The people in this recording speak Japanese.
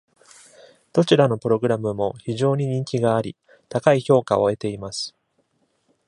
どちらのプログラムも非常に人気があり、高い評価を得ています。